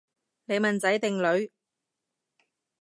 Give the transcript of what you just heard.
你問仔定女？